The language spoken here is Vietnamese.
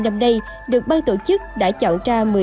năm nay được ban tổ chức đã chọn ra